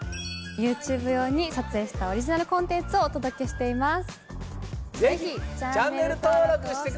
ＹｏｕＴｕｂｅ用に撮影したオリジナルコンテンツをお届けしています。